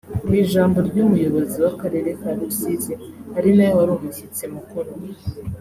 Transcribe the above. Mu ijambo ry’umuyobozi w’akarere ka Rusizi ari nawe wari umushyitsi mukuru